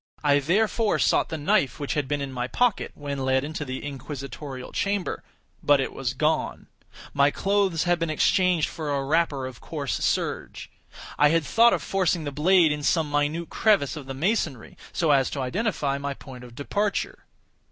I therefore sought the knife which had been in my pocket, when led into the inquisitorial chamber; but it was gone; my clothes had been exchanged for a wrapper of coarse serge. I had thought of forcing the blade in some minute crevice of the masonry, so as to identify my point of departure.